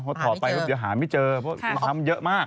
เพราะเพราะเสริมถือหาไม่เจอเพราะภาพมันเยอะมาก